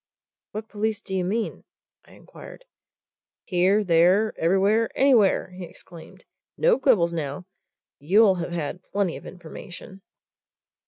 "What police do you mean?" I inquired. "Here, there, everywhere, anywhere!" he exclaimed. "No quibbles, now! you'll have had plenty of information."